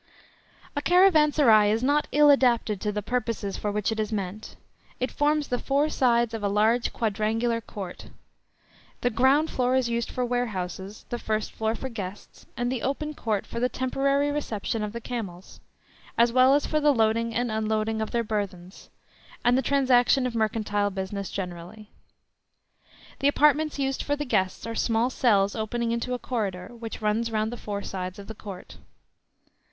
A caravanserai is not ill adapted to the purposes for which it is meant. It forms the four sides of a large quadrangular court. The ground floor is used for warehouses, the first floor for guests, and the open court for the temporary reception of the camels, as well as for the loading and unloading of their burthens, and the transaction of mercantile business generally. The apartments used for the guests are small cells opening into a corridor, which runs round the four sides of the court.